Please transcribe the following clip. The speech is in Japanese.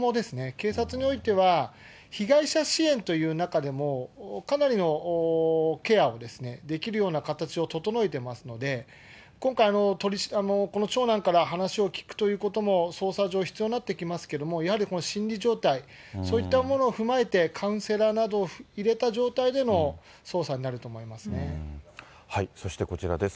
警察においては、被害者支援という中でも、かなりのケアをできるような形を整えてますので、今回、この長男から話を聴くということも捜査上、必要になってきますけれども、やはりこの心理状態、そういったものを踏まえてカウンセラーなどを入れた状態での捜査そしてこちらです。